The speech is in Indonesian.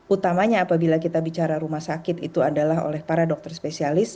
utamanya apabila kita bicara rumah sakit itu adalah oleh para dokter spesialis